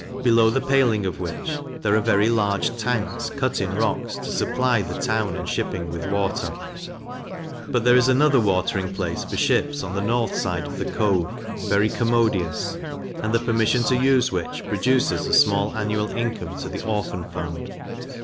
below the paling of which there are very large Tanks, cut in rocks, to supply the town and shipping with water; but there is another watering place for ships on the north side of the Cove, very commodious, and the permission to use which produces a small annual income to the Orphan fund.